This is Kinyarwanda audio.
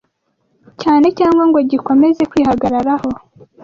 cyane cyangwa ngo gikomeze kwihagararaho